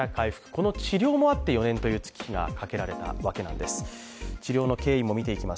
この治療もあって４年という月日がかけられたわけです。